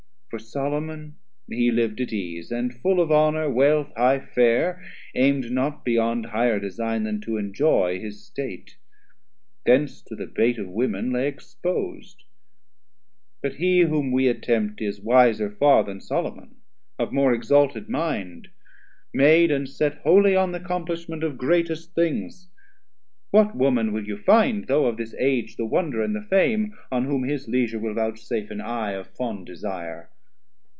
200 For Solomon he liv'd at ease, and full Of honour, wealth, high fare, aim'd not beyond Higher design then to enjoy his State; Thence to the bait of Women lay expos'd; But he whom we attempt is wiser far Then Solomon, of more exalted mind, Made and set wholly on the accomplishment Of greatest things; what woman will you find, Though of this Age the wonder and the fame, On whom his leisure will vouchsafe an eye 210 Of fond desire?